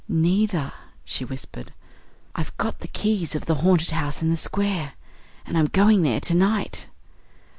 "Neither," she whispered. "I've got the keys of the haunted house in the square and I'm going there to night."